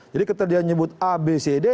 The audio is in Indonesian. jadi keterangan dia nyebut abcd